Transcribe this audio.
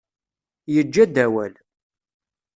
Yeǧǧa-d awal.